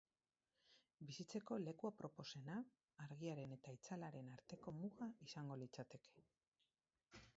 Bizitzeko leku aproposena argiaren eta itzalaren arteko muga izango litzateke.